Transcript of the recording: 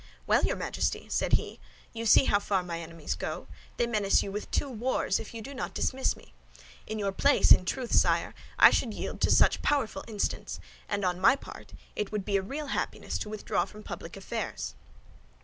"Well, your Majesty," said he, "you see how far my enemies go; they menace you with two wars if you do not dismiss me. In your place, in truth, sire, I should yield to such powerful instance; and on my part, it would be a real happiness to withdraw from public affairs."